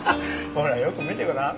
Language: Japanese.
ほらよく見てごらん。